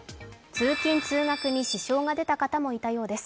通勤・通学に支障が出た方もいたようです。